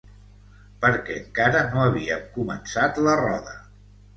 Perquè encara no havíem començat la roda.